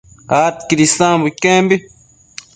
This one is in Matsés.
adquid isambo iquembi